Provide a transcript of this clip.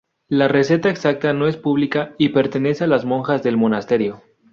La receta exacta no es pública y pertenece a las monjas del monasterio.